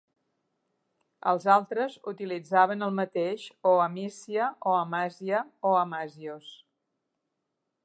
Els altres utilitzaven el mateix, o Amisia, o Amasia o Amasios.